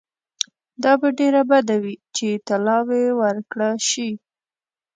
دا به ډېره بده وي چې طلاوي ورکړه شي.